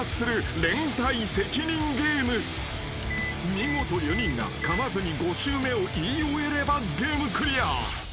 ［見事４人がかまずに５周目を言い終えればゲームクリア］